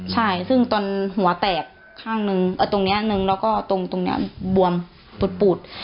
ใช่ซึ่งตอนหัวแตกข้างหนึ่งเอ่อตรงเนี้ยหนึ่งแล้วก็ตรงตรงเนี้ยบวมปูดปูด